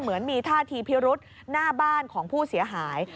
เหมือนมีท่าทีพิรุษหน้าบ้านของผู้เสียหาย